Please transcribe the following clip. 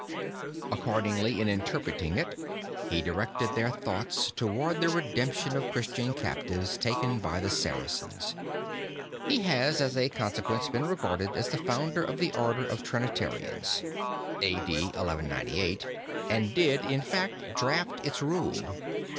Accordingly in interpreting it, he directed their thoughts toward the redemption of Christian captives taken by the Saracens. He has as a consequence been regarded as the founder of the order of Trinitarians (A. D. 1198), and did, in fact, draft its Rule.